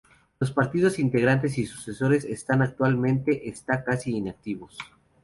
Los partidos integrantes y sus sucesores están actualmente está casi inactivos.